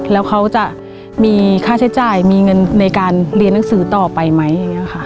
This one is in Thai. แล้วเขาจะมีค่าใช้จ่ายมีเงินในการเรียนหนังสือต่อไปไหมอย่างนี้ค่ะ